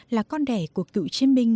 là con đẻ của cựu chiến minh